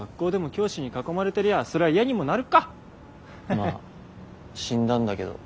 まあ死んだんだけど。